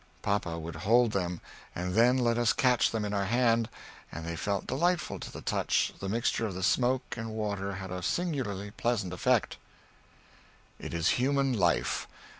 Papa would hold them and then let us catch them in our hand and they felt delightful to the touch the mixture of the smoke and water had a singularly pleasant effect. It is human life.